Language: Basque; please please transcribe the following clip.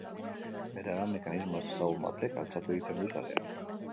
Berehala, mekanismo ezezagun batek altxatu egiten du sarea.